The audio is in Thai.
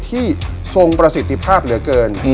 ที่ทรงประสิทธิภาพเหลือเกิน